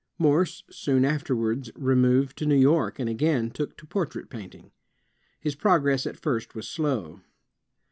Morse soon afterwards removed to New York, and again took to portrait painting. His progress at first was slow.